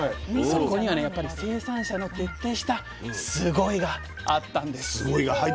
そこにはね生産者の徹底したスゴイ！があったんです。